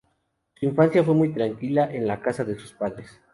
Su infancia fue muy tranquila en la casa de sus padres.